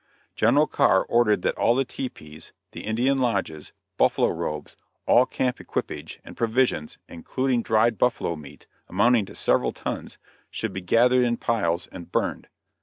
General Carr ordered that all the tepees, the Indian lodges, buffalo robes, all camp equipage and provisions, including dried buffalo meat, amounting to several tons, should be gathered in piles and burned.